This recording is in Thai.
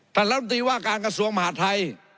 ท่านรับมือตีว่าการกระทรวงมหาดไทย